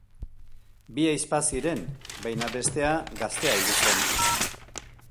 Bi ahizpa ziren baina bestea gaztea hil zen.